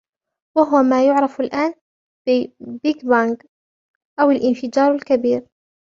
وهو ما يعرف الآن بـ بيغ بانغ أو الانفجار الكبير